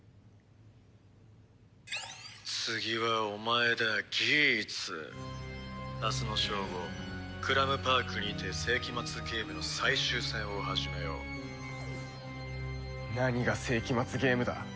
「次はお前だギーツ」「明日の正午クラムパークにて世紀末ゲームの最終戦を始めよう」何が世紀末ゲームだ。